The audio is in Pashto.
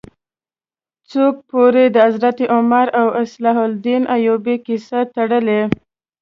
څوک ورپورې د حضرت عمر او صلاح الدین ایوبي کیسه تړي.